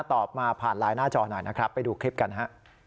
ตอบมาผ่านไลน์หน้าจอหน่อยนะครับไปดูคลิปกันฮะ